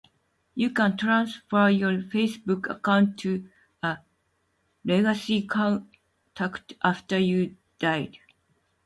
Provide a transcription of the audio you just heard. You can transfer your Facebook account to a "legacy contact" after you die.